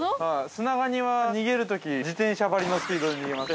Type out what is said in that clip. ◆スナガニは逃げるとき、自転車ばりのスピードで逃げます。